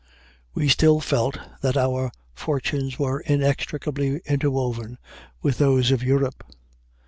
We still felt that our fortunes were inextricably interwoven with those of Europe.